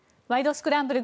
スクランブル」